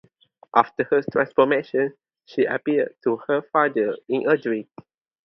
After her transformation, she appeared to her father in a dream.